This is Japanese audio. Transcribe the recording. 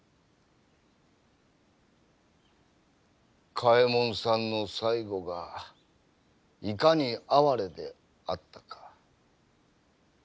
嘉右衛門さんの最期がいかに哀れであったか。